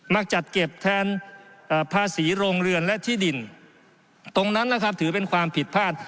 มาจัดเก็บแทนภาษีโรงเรือนและที่ดินตรงนั้นนะครับถือเป็นความผิดพลาด